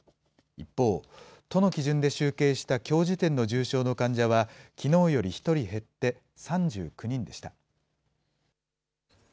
一方、都の基準で集計したきょう時点の重症の患者は、きのうより１人減って３９人でした。